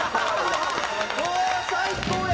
「うわっ最高や！」